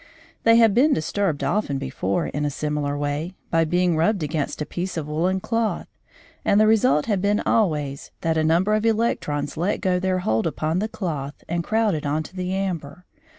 They had been disturbed often before in a similar way, by being rubbed against a piece of woollen cloth, and the result had been always that a number of electrons let go their hold upon the cloth and crowded on to the amber.